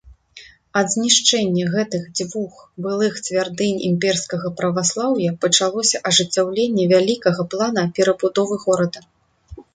Ад знішчэння гэтых дзвюх былых цвярдынь імперскага праваслаўя пачалося ажыццяўленне вялікага плана перабудовы горада.